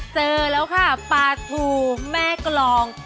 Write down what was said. เจอแล้วค่ะปลาทูแม่กรอง